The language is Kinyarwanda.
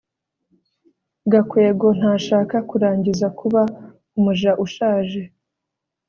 gakwego ntashaka kurangiza kuba umuja ushaje